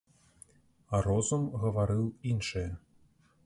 А розум гаварыў іншае.